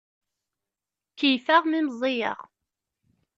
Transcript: Keyyfeɣ mi meẓẓiyeɣ.